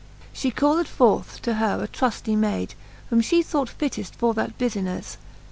She called forth to her a trufty mayd, Whom fhe thought fitteft for that bufinefle.